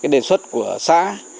đề xuất của xã